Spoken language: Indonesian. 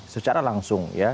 secara langsung ya